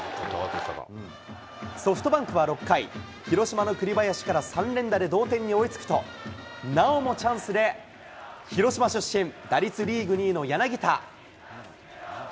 ソフトバンクは６回、広島の栗林から３連打で同点に追いつくと、なおもチャンスで、広島出身、打率リーグ２位の柳田。